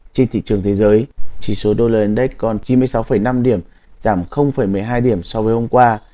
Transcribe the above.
trên thị trường thế giới chỉ số usd index còn chín mươi sáu năm điểm giảm một mươi hai điểm so với hôm qua